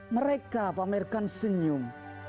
mereka pamerkan senyum